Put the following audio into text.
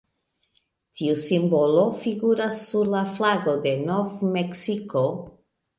Tiu simbolo figuras sur la flago de Nov-Meksiko.